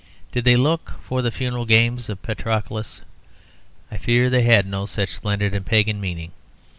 Did they look for the funeral games of Patroclus? I fear they had no such splendid and pagan meaning.